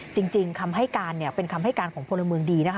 จริงคำให้การเป็นคำให้การของพลเมืองดีนะคะ